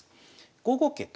５五桂と。